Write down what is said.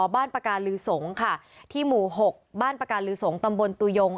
บ้านปาการลือสงค่ะที่หมู่หกบ้านปาการลือสงตำบลตุยง